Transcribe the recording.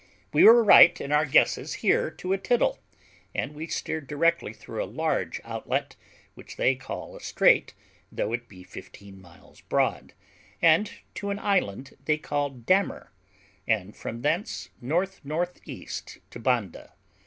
We were right in our guesses here to a tittle, and we steered directly through a large outlet, which they call a strait, though it be fifteen miles broad, and to an island they call Dammer, and from thence N.N.E. to Banda.